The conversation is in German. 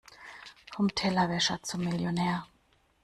Vom Tellerwäscher zum Millionär.